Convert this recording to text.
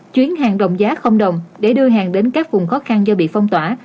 chuyến hàng đồng giá đồng để đưa hàng đến các vùng khó khăn do bị phong tỏa